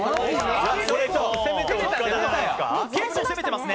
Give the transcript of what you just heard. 結構、攻めてますね。